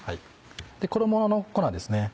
衣の粉ですね。